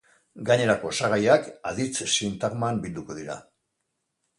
Gainerako osagaiak aditz-sintagman bilduko dira.